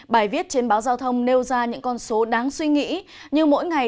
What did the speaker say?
bài viết trên báo giao thông nêu ra những con số đáng suy nghĩ như mỗi ngày